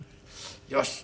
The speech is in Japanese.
「よし！